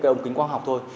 cái ống kính quang học thôi